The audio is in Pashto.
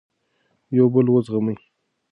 یو بل وزغمئ.